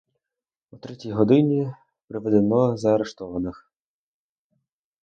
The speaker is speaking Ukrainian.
О третій годині приведено заарештованих.